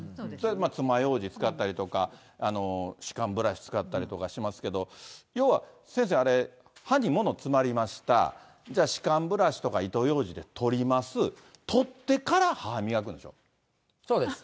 つまようじ使ったりとか、歯間ブラシ使ったりとかしますけど、要は先生、あれ、歯にもの詰まりました、じゃあ、歯間ブラシとか糸ようじで取ります、取ってからは、そうです。